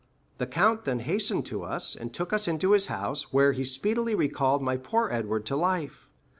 The count then hastened to us, and took us into his house, where he speedily recalled my poor Edward to life.